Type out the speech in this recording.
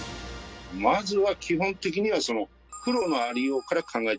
まずは基本的にはその黒のありようから考えていく。